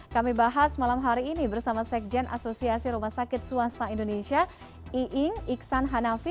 kami bahas malam hari ini bersama sekjen asosiasi rumah sakit swasta indonesia iing iksan hanafi